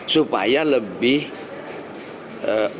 supaya lebih objektif